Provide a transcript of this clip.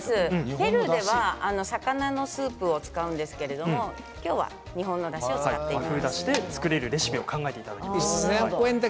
ペルーでは魚のスープを使うんですけれど今日は日本のレシピ日本のだしを使います。